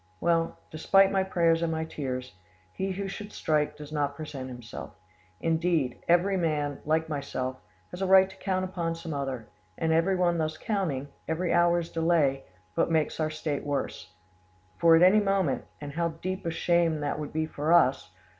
Well, despite my prayers and my tears, he who should strike does not present himself; indeed, every man, like myself, has a right to count upon some other, and everyone thus counting, every hour's delay, but makes our state worse; far at any moment—and how deep a shame would that be for us!